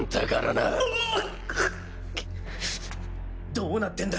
どうなってんだ？